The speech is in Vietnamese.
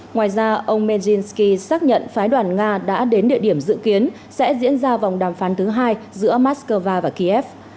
ngoài ra ông mel jinskyy xác nhận phái đoàn nga đã đến địa điểm dự kiến sẽ diễn ra vòng đàm phán thứ hai giữa moscow và kiev